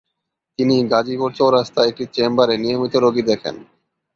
তিনি গাজীপুর চৌরাস্তায় একটি চেম্বারে নিয়মিত রোগী দেখেন।